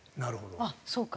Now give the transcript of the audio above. ああそうか。